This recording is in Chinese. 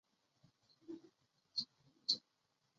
美属维尔京群岛是美国唯一道路交通靠左行驶的地区。